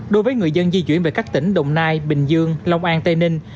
đối với người dân di chuyển về các tỉnh đồng nai bình dương long an tây ninh